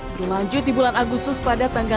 berlanjut di bulan agustus pada tanggal